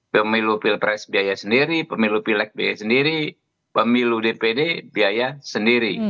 pemilu pilpres biaya sendiri pemilu pilek biaya sendiri pemilu dpd biaya sendiri